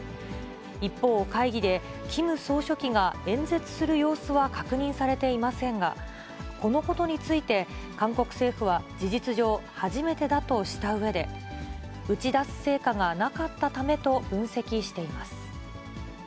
一方、会議でキム総書記が演説する様子は確認されていませんが、このことについて、韓国政府は、事実上、初めてだとしたうえで、打ち出す成果がなかったためと分析しています。